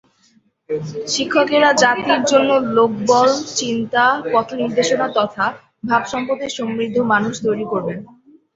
শিক্ষকেরা জাতির জন্য লোকবল, চিন্তা, পথনির্দেশনা তথা ভাবসম্পদে সমৃদ্ধ মানুষ তৈরি করবেন।